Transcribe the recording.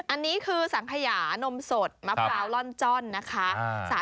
อันนี้คือสังขยานมสดมะพร้าวล่อนจ้อนนะคะ